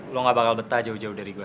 lo gak bakal betah jauh jauh dari gue